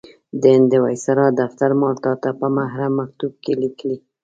د هند د وایسرا دفتر مالټا ته په محرم مکتوب کې لیکلي.